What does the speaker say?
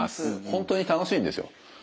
本当に楽しいんですよ。